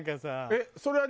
えっそれは何？